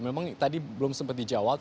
memang tadi belum sempat dijawab